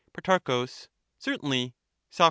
Pro. Certainly. Soc.